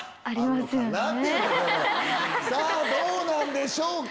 さぁどうなんでしょうか？